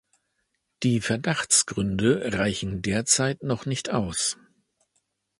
Die Verdachtsgründe reichen derzeit noch nicht aus.